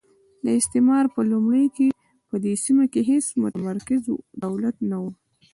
د استعمار په لومړیو کې په دې سیمه کې هېڅ متمرکز دولت نه وو.